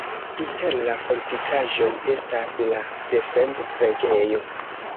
Inter la fortikaĵoj estis la defend-preĝejo.